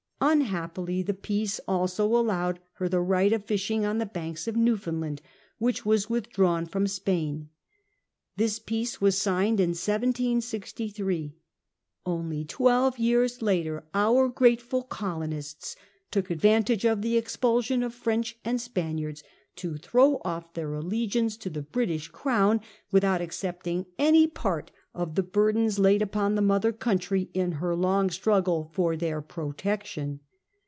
Unhappily, the peace also allowed her the right of fishing on the banks of Newfoundland, wliicli was withdrawn from Spain. This peace was signed in 1763. Only twelve years later our grateful colonists took advantage of the expulsion of French and Spaniards to throw ofT their allegiance to the British Orojvn, without accepting any ])art of the burdens laid upon the mother country in her long struggle for their protection.